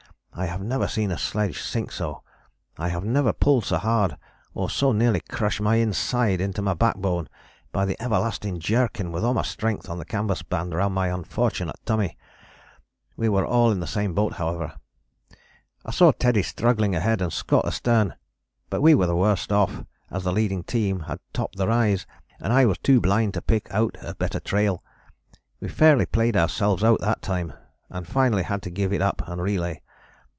I have never seen a sledge sink so. I have never pulled so hard, or so nearly crushed my inside into my backbone by the everlasting jerking with all my strength on the canvas band round my unfortunate tummy. We were all in the same boat however. "I saw Teddy struggling ahead and Scott astern, but we were the worst off as the leading team had topped the rise and I was too blind to pick out a better trail. We fairly played ourselves out that time, and finally had to give it up and relay.